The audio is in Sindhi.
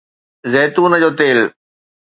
زيتون جو تيل